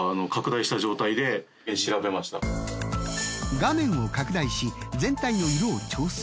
画面を拡大し全体の色を調整。